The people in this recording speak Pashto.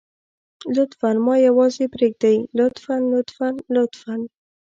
لطفاً ما يوازې پرېږدئ لطفاً لطفاً لطفاً.